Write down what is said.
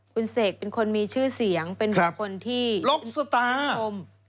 คุณเสกเป็นคนมีชื่อเสียงเป็นคนที่ชม